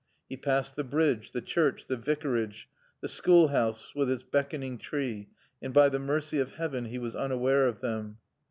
He passed the bridge, the church, the Vicarage, the schoolhouse with its beckoning tree, and by the mercy of heaven he was unaware of them.